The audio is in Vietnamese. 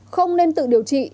không nên tự điều trị